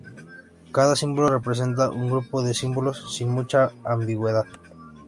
Cada símbolo representa un grupo de símbolos sin mucha ambigüedad.